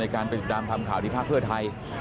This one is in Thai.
การไปติดตามทำข่าวที่ภาคเพื่อไทย